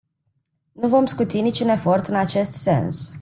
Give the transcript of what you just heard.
Nu vom scuti niciun efort în acest sens.